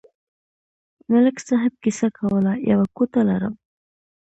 ملک صاحب کیسه کوله: یوه کوټه لرم.